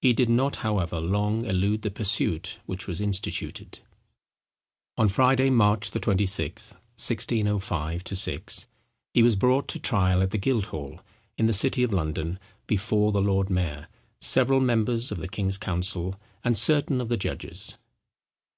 He did not, however, long elude the pursuit which was instituted. On Friday, March 26, 1605 6, he was brought to trial at the Guildhall, in the city of London, before the lord mayor, several members of the king's council, and certain of the judges.